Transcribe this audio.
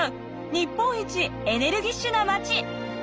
日本一エネルギッシュな街！